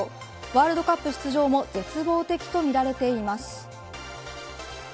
ワールドカップ出場も絶望的とみられています。